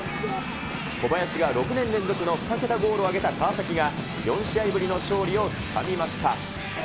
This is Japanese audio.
小林が６年連続の２桁ゴールを挙げた川崎が、４試合ぶりの勝利をつかみました。